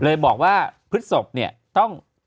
เลยบอกว่าพฤศพเนี่ยต้อง